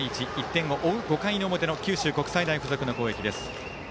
１点を追う、５回の表の九州国際大付属の攻撃です。